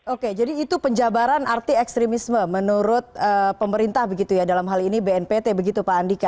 oke jadi itu penjabaran arti ekstremisme menurut pemerintah begitu ya dalam hal ini bnpt begitu pak andika